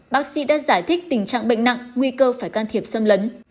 bác sĩ đã giải thích tình trạng bệnh nặng nguy cơ phải can thiệp xâm lấn